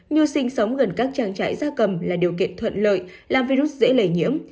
như sinh sống gần các trang trải da cầm là điều kiện thuận lợi làm virus dễ lẩy nhiễm